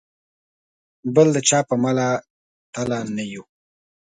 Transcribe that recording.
بل د چا په مله تله نه یو.